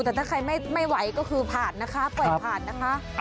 แต่ถ้าใครไม่ไหวก็คือผ่านนะคะปล่อยผ่านนะคะ